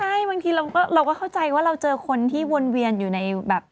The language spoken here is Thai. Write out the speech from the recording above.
ใช่บางทีเราก็เข้าใจว่าเราเจอคนที่วนเวียนอยู่ในแบบ